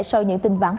sau những tin vắng